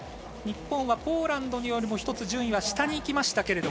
日本は、ポーランドよりも１つ順位は下にいきましたが。